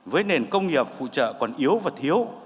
với nền công nghiệp phụ trợ còn yếu và thiếu